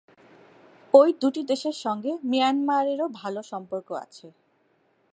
ওই দুটি দেশের সঙ্গে মিয়ানমারেরও ভালো সম্পর্ক আছে।